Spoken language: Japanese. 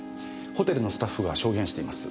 ホテルのスタッフが証言しています。